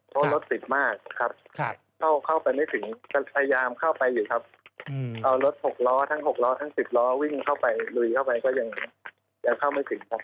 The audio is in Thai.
เพราะรถติดมากครับเข้าไปไม่ถึงก็พยายามเข้าไปอยู่ครับเอารถ๖ล้อทั้ง๖ล้อทั้ง๑๐ล้อวิ่งเข้าไปลุยเข้าไปก็ยังเข้าไม่ถึงครับ